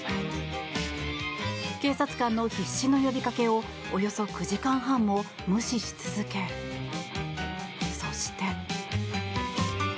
警察官の必死の呼びかけをおよそ９時間半も無視し続けそして。